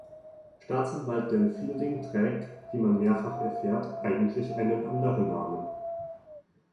Staatsanwalt Dan Fielding trägt, wie man mehrfach erfährt, eigentlich einen anderen Namen.